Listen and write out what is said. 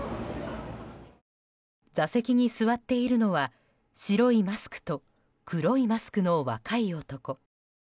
座席に座っているのは白いマスクと黒いマスクの若い男。